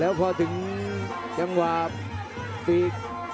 แล้วพอถึงจังหวะตีด